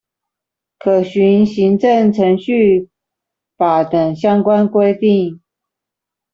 可循行政程序法等相關規定